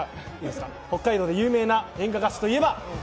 北海道で有名な演歌歌手といえば？